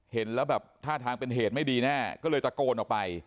เห็นแล้วแบบท่าทางเป็นเหตุไม่ดีแน่ก็เลยตะโกนออกไป